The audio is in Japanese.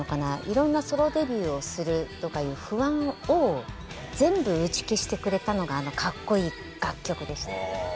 いろんなソロデビューをするとかいう不安を全部打ち消してくれたのがあのかっこいい楽曲でした。